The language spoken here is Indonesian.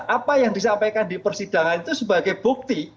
apa yang disampaikan di persidangan itu sebagai bukti